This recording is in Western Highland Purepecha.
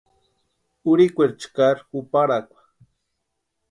Urhikweri chkari juparhakwa.